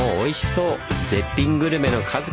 絶品グルメの数々。